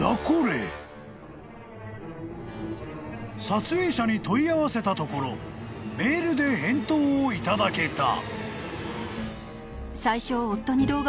［撮影者に問い合わせたところメールで返答を頂けた］